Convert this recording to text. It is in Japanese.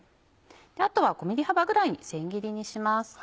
あとは５ｍｍ幅ぐらいに千切りにします。